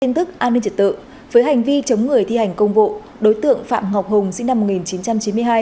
tin tức an ninh trật tự với hành vi chống người thi hành công vụ đối tượng phạm ngọc hùng sinh năm một nghìn chín trăm chín mươi hai